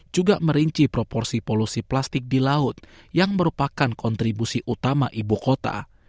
juga merinci proporsi polusi plastik di laut yang merupakan kontribusi utama ibu kota